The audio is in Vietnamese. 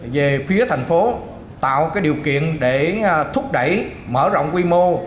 về phía thành phố tạo điều kiện để thúc đẩy mở rộng quy mô